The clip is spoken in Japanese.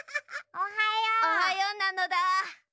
おはようなのだ。